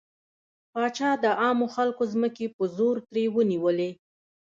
پاچا د عامو خلکو ځمکې په زور ترې ونيولې.